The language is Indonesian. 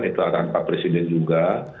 itu akan pak presiden juga